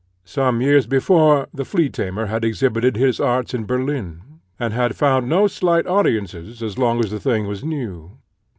Some years before the Flea tamer had exhibited his arts in Berlin, and had found no slight audiences as long as the thing was new.